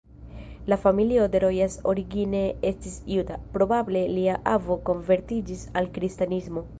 La familio de Rojas origine estis juda, probable lia avo konvertiĝis al kristanismo.